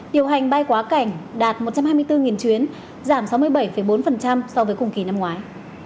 điều hành bay quá cảnh đạt một trăm hai mươi bốn chuyến giảm sáu mươi bảy bốn so với cùng kỳ năm ngoái